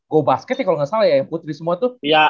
go basket ya kalo gak salah ya putri semua tuh iya